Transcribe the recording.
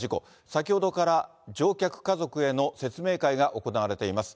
先ほどから乗客家族への説明会が行われています。